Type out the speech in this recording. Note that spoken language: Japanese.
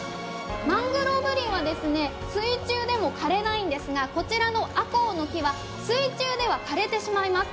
マングローブ林は水中でも枯れないんですがこちらのアコウの木は水中では枯れてしまいます。